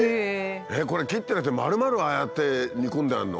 これ切ってなくてまるまるああやって煮込んであるの？